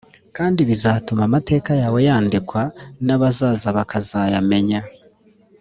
kandi bizatuma amateka yawe yandikwa n’abazaza bakazayamenya